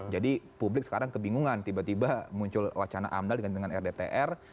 jadi publik sekarang kebingungan tiba tiba muncul wacana amdal dengan rdtr